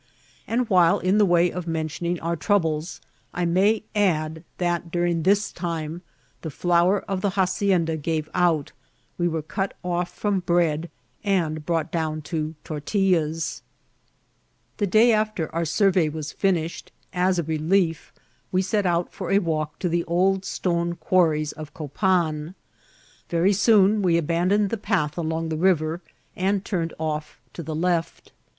And while in the way of mentioning our troubles I may add, that during tiiis time the flour of die hacienda gave out, we were cut <^ from teead, and brought down to tortiUas. Vol. L— T 13 146 IKCIDBKT8 OP TRATBL. The day after our surrey was finiahed, as a relief we set out for a walk to the old stone quarries of CopmB. Very soon we abandoned the path along the riveri and turned off to the left.